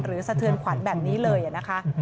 สะเทือนขวัญแบบนี้เลยนะคะ